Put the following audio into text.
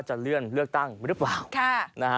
จะเลื่อนเลือกตั้งหรือเปล่า